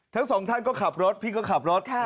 ทั้งสองท่านก็ขับรถพี่ก็ขับรถ